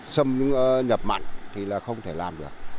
xâm nhập mặn thì là không thể làm được